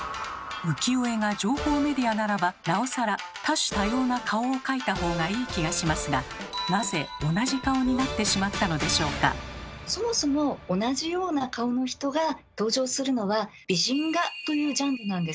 浮世絵が情報メディアならばなおさら多種多様な顔を描いたほうがいい気がしますがそもそも同じような顔の人が登場するのは美人画というジャンルなんです。